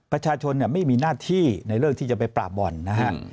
ประชาชนไม่มีหน้าที่ในเลิกที่จะไปปราบบ่อนนะฮะ